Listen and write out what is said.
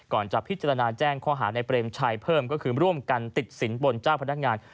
ก่อนจะพิจารณาแจ้งข้อหาในเปรมชัยเพิ่มก็คือร่วมกันติดสินบนเจ้าพนักงาน